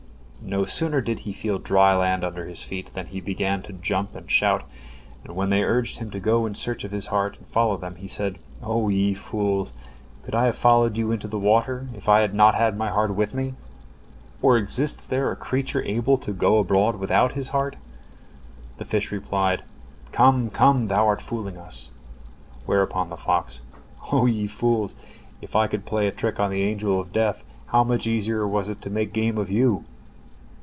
No sooner did he feel dry land under his feet than he began to jump and shout, and when they urged him to go in search of his heart, and follow them, he said: "O ye fools, could I have followed you into the water, if I had not had my heart with me? Or exists there a creature able to go abroad without his heart?" The fish replied: "Come, come, thou art fooling us." Whereupon the fox: "O ye fools, if I could play a trick on the Angel of Death, how much easier was it to make game of you?"